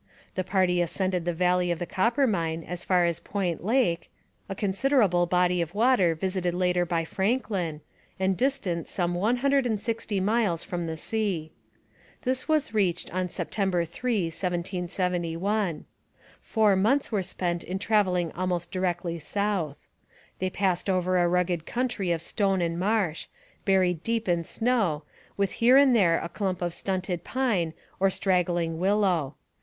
The party ascended the valley of the Coppermine as far as Point Lake, a considerable body of water visited later by Franklin, and distant one hundred and sixty miles from the sea. This was reached on September 3, 1771. Four months were spent in travelling almost directly south. They passed over a rugged country of stone and marsh, buried deep in snow, with here and there a clump of stunted pine or straggling willow.